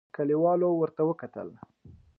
کليوالو ورته وکتل.